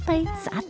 wah ini keren banget